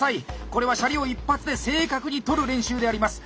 これはシャリを一発で正確に取る練習であります。